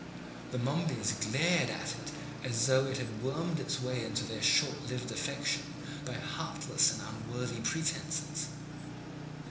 The Momebys glared at it as though it had wormed its way into their short lived affections by heartless and unworthy pretences.